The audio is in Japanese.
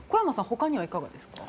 他にはいかがですか。